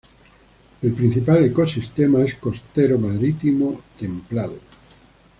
El principal ecosistema es costero marítimo templado.